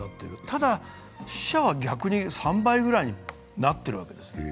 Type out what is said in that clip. ただ、死者は逆に３倍ぐらいになっているわけですね。